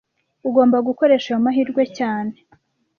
Ugomba gukoresha ayo mahirwe cyane